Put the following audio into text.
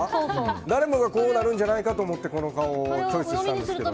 誰もがこうなるんじゃないかと思って、この顔をチョイスしたんですが。